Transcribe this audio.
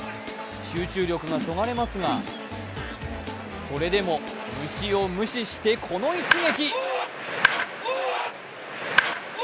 集中力がそがれますがそれでも虫を無視してこの一撃。